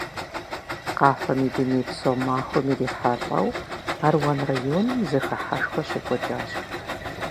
Къафэм и дунейпсо махуэм ирихьэлӀэу, Аруан районым зэхыхьэшхуэ щекӀуэкӀащ.